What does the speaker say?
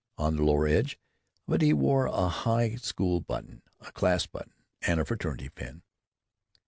On the lower edge of it he wore a high school button, a class button, and a fraternity pin.